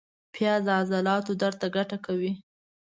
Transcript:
پیاز د عضلاتو درد ته ګټه کوي